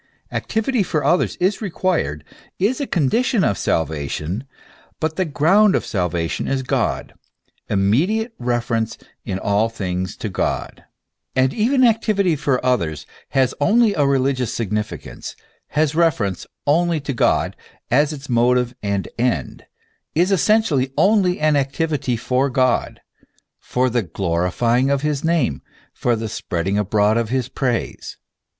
Activity for others is required, is a condition of salvation ; but the ground of salvation is God, immediate reference in all things to God. And even activity for others has only a religious significance, has reference only to God, as its motive and end, 160 THE ESSENCE OF CHRISTIANITY. is essentially only an activity for God, for the glorifying of his name, the spreading abroad of his praise.